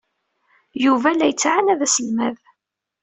Yuba la yettɛanad aselmad.